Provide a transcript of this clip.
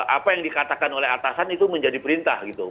apa yang dikatakan oleh atasan itu menjadi perintah gitu